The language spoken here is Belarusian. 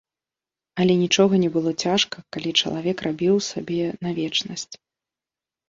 Але нічога не было цяжка, калі чалавек рабіў сабе на вечнасць.